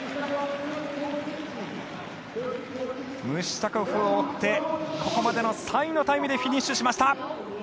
ムシュタコフを追ってここまでの３位のタイムでフィニッシュしました。